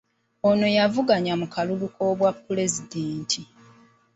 Ono yavuganya mu kalulu ak’obwapulezidenti.